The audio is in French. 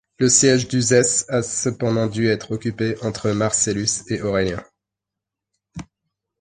Le siège d'Uzès a cependant dû être occupé entre Marcellus et Aurélien.